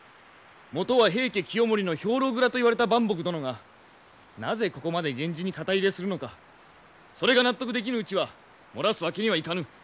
もとは平家清盛の兵糧倉といわれた伴卜殿がなぜここまで源氏に肩入れするのかそれが納得できぬうちは漏らすわけにはいかぬ。